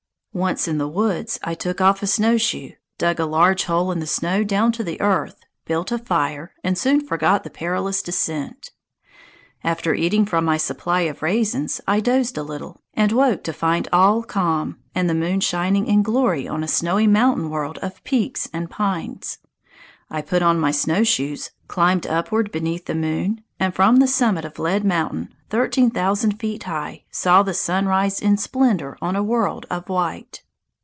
Once in the woods, I took off a snowshoe, dug a large hole in the snow down to the earth, built a fire, and soon forgot the perilous descent. After eating from my supply of raisins, I dozed a little, and woke to find all calm and the moon shining in glory on a snowy mountain world of peaks and pines. I put on my snowshoes, climbed upward beneath the moon, and from the summit of Lead Mountain, thirteen thousand feet high, saw the sun rise in splendor on a world of white.